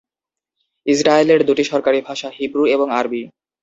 ইসরায়েলের দুটি সরকারি ভাষা হিব্রু এবং আরবি।